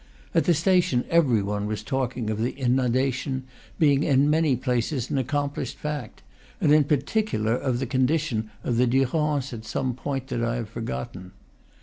At the station every one was talking of the inundation being in many places an accomplished fact, and, in particular, of the condition of the Durance at some point that I have forgotten.